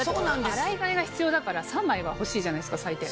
洗い替えが必要だから３枚は欲しいじゃないですか最低。